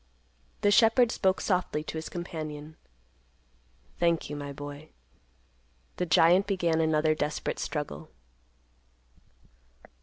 The shepherd spoke softly to his companion, "Thank you, my boy." The giant began another desperate struggle.